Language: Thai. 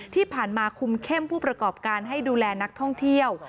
คุมเข้มผู้ประกอบการให้ดูแลนักท่องเที่ยว